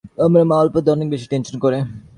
আমার মা অল্পতেই অনেক বেশি টেনশন করে।